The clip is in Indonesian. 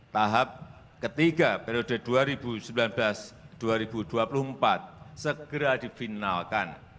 tahap ketiga periode dua ribu sembilan belas dua ribu dua puluh empat segera difinalkan